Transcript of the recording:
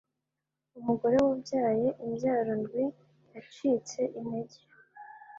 umugore wabyaye imbyaro ndwi yacitse integer